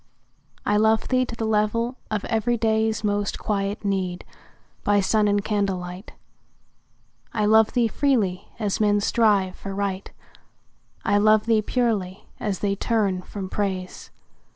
I love thee to the level of everyday's Most quiet need, by sun and candlelight. I love thee freely, as men strive for Right; I love thee purely, as they turn from Praise.